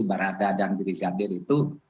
barat dadang dirikadir itu